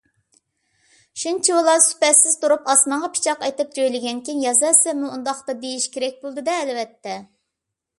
شۇنچىۋالا سۈپەتسىز تۇرۇپ ئاسمانغا پىچاق ئېتىپ جۆيلىگەنكىن يازە سەنمۇ ئۇنداقتا دېيىش كېرەك بولىدۇ، ئەلۋەتتە.